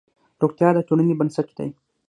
روغتیا د ټولنې بنسټ دی.